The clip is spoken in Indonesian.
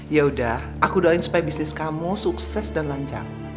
yaudah aku doain supaya bisnis kamu sukses dan lancar